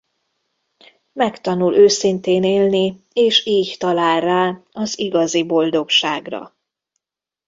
Megtanul őszintén élni és így talál rá az igazi boldogságra.